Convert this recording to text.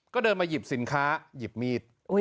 ก็เดินมาหยิบสินค้าหยิบมีด